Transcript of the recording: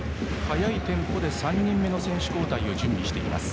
速いテンポで３人目の選手交代を準備しています。